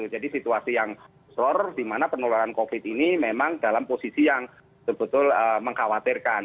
jadi situasi yang sor di mana penularan covid ini memang dalam posisi yang sebetul betul mengkhawatirkan